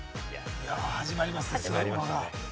始まりますね、すごいものが。